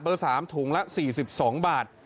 เบอร์๓ถุงละ๔๒บาท